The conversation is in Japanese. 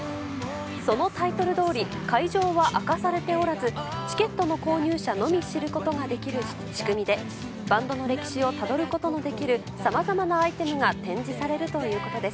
そのタイトルどおり会場は明かされておらずチケットの購入者のみ知ることができる仕組みでバンドの歴史をたどることのできるさまざまなアイテムが展示されるということです。